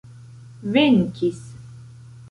venkis